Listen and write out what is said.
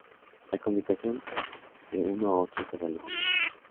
La comunicación de uno a otro se realiza a nivel.